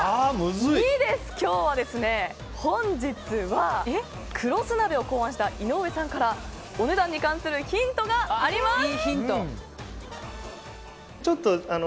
本日は食労寿鍋を考案した井上さんからお値段に関するヒントがあります。